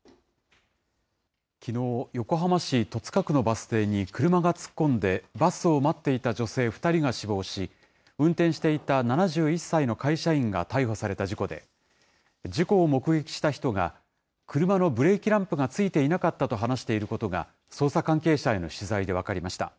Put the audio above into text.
きのう、横浜市戸塚区のバス停に車が突っ込んでバスを待っていた女性２人が死亡し、運転していた７１歳の会社員が逮捕された事故で、事故を目撃した人が、車のブレーキランプがついていなかったと話していることが、捜査関係者への取材で分かりました。